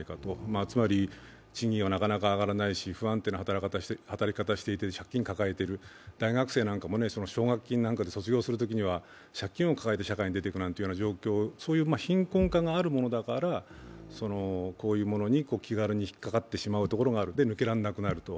つまり、賃金はなかなか上がらないし、不安定な働き方をしていて借金抱えている、大学生なんかも奨学金なんかで卒業するときには、借金を抱えて社会に出ていくというような状況、そういう貧困化があるものだから、こういうものに気軽に引っかかってしまい抜けられなくなると。